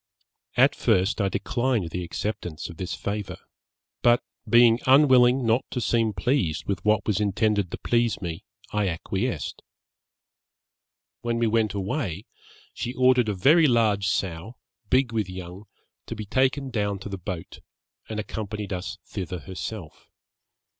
At first I declined the acceptance of this favour, but being unwilling not to seem pleased with what was intended to please me, I acquiesced. When we went away, she ordered a very large sow, big with young, to be taken down to the boat, and accompanied us thither herself.